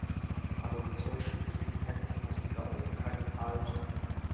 Aber mit so schwitzigen Händen hast du da oben keinen Halt.